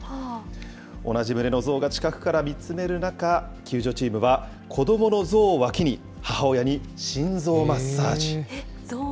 同じ群れの象が近くから見つめる中、救助チームは、子どもの象をえっ、象の心臓マッサージ？